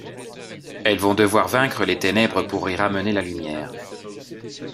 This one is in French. Elles vont devoir vaincre les ténèbres pour y ramener la lumière.